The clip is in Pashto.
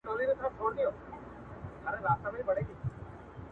کله چي د رسول الله خبري خلاصي سوې.